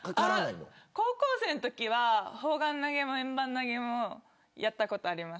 高校生のときは砲丸投げも円盤投げもやったことあります。